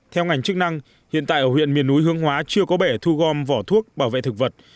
theo ngành chức năng hiện tại ở huyện miền núi hương hóa chưa có bể thu gom vỏ thuốc bảo vệ thực vật